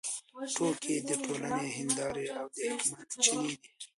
ټوکې د ټولنې هندارې او د حکمت چینې دي.